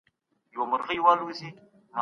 یا ئې قتل عامونه کول.